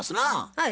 はい。